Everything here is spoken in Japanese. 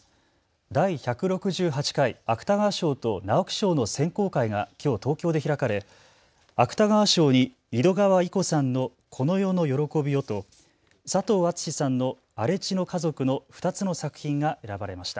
第１６８回芥川賞と直木賞の選考会がきょう東京で開かれ芥川賞に井戸川射子さんのこの世の喜びよと佐藤厚志さんの荒地の家族の２つの作品が選ばれました。